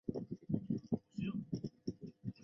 中甸蓝钟花为桔梗科蓝钟花属下的一个种。